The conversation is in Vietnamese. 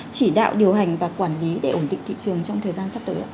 chỉ đạo điều hành và quản lý để ổn định thị trường trong thời gian sắp tới